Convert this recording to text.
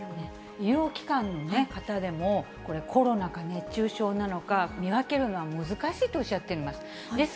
医療機関の方でも、コロナか熱中症なのか、見分けるのは難しいとおっしゃっています。